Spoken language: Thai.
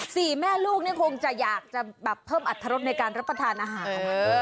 สี่แม่ลูกคงจะอยากเพิ่มอัธรรมในการรับประทานอาหาร